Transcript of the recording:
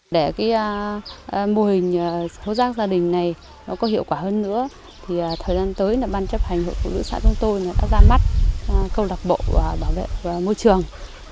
để mô hình hố rác gia đình này có hiệu quả hơn nữa thời gian tới ban chấp hành hội phụ nữ xã trung tô đã ra mắt câu đặc bộ bảo vệ môi trường